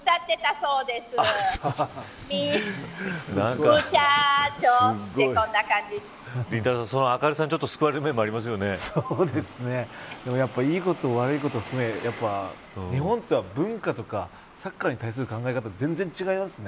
その明るさに救われる面でも、いいこと悪いことを含め日本とは文化とかサッカーに対する考え方、全然違いますね。